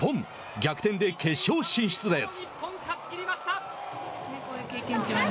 逆転で決勝進出です。